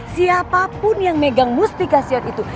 siapapun yang megang mustikasion itu